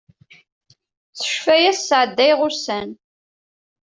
S ccfaya-s sɛeddayeɣ ussan.